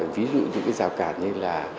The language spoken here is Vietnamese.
ví dụ những cái giảm cản như là